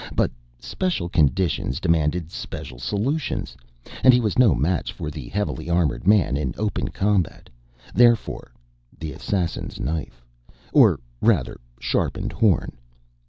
But special conditions demand special solutions, and he was no match for the heavily armored man in open combat, therefore the assassin's knife. Or rather sharpened horn.